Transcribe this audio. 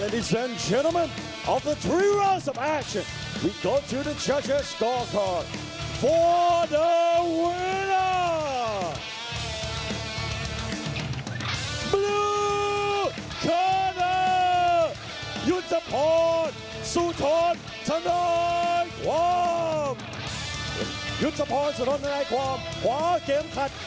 ท่านผู้ชมในในความขวาเก่งขัด